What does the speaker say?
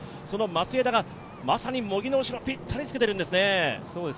その松枝が、まさに茂木の後ろにぴったりつけているんですね。